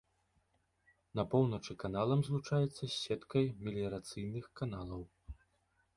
На поўначы каналам злучаецца з сеткай меліярацыйных каналаў.